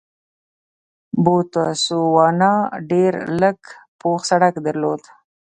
بوتسوانا ډېر لږ پوخ سړک درلود.